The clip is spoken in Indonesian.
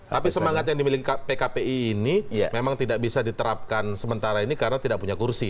tapi semangat yang dimiliki pkpi ini memang tidak bisa diterapkan sementara ini karena tidak punya kursi